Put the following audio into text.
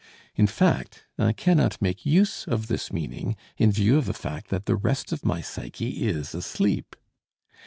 In fact, I cannot make use of this meaning, in view of the fact that the rest of my psyche is asleep.